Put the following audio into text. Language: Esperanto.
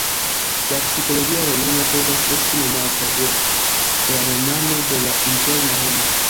La psikologia romano povas esti nomata la romano de la "interna homo".